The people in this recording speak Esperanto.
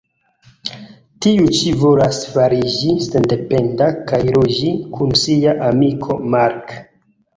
Tiu ĉi volas fariĝi sendependa kaj loĝi kun sia amiko Marc.